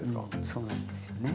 そうなんですよね。